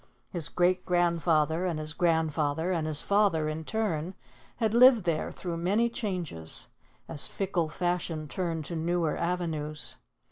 His great grandfather and his grandfather and his father, in turn, had lived there through many changes, as fickle fashion turned to newer avenues.